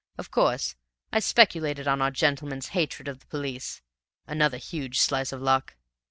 Of course, I speculated on our gentleman's hatred of the police another huge slice of luck.